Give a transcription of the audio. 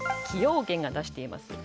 崎陽軒が出しています